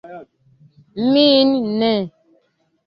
Min ne.